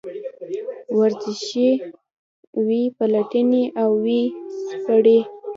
ورشي ویې پلټي او ويې سپړي.